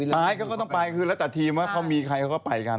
ไปเขาก็ต้องไปคือแล้วแต่ทีมว่าเขามีใครเขาก็ไปกัน